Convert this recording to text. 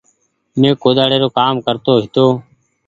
مينٚ ڪوۮاڙي رو ڪآم ڪرتو هيتو